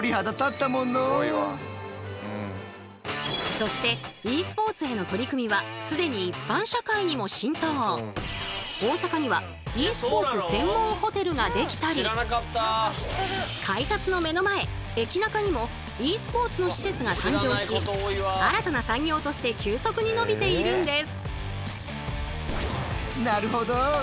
そしてｅスポーツへの取り組みは既に大阪にはｅスポーツ専門ホテルができたり改札の目の前駅ナカにもｅスポーツの施設が誕生し新たな産業として急速に伸びているんです。